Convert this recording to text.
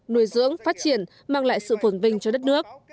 nuôi dưỡng phát triển mang lại sự phồn vinh cho đất nước